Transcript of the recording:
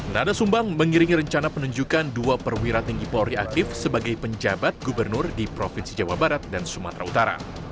nada sumbang mengiringi rencana penunjukan dua perwira tinggi polri aktif sebagai penjabat gubernur di provinsi jawa barat dan sumatera utara